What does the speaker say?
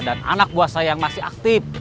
dan anak buah saya yang masih aktif